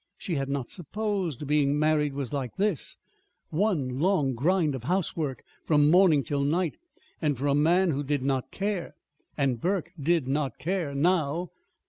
She had not supposed being married was like this: one long grind of housework from morning till night, and for a man who did not care. And Burke did not care now.